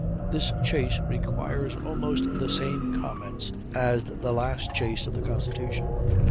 This chase requires almost the same comments as the last chase of the Constitution.